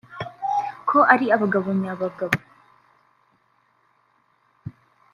ko ari abagabo nya bagabo